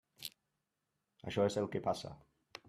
Això és el que passa.